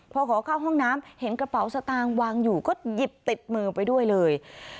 พอขอเข้าห้องน้ำเห็นกระเป๋าสตางค์วางอยู่ก็หยิบติดมือไปด้วยเลย